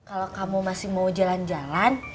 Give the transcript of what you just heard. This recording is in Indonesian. kalau kamu masih mau jalan jalan